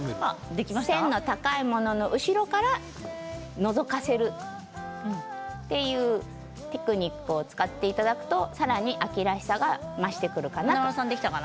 背の高いものの後ろからのぞかせるというテクニックを使っていただくとさらに秋らしさが華丸さんできたかな。